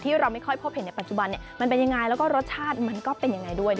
เราไม่ค่อยพบเห็นในปัจจุบันมันเป็นยังไงแล้วก็รสชาติมันก็เป็นยังไงด้วย